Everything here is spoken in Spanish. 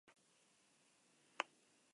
Para este autor, el "ar"- funciona como prefijo.